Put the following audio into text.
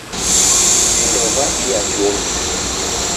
Vindo vabia chumbi.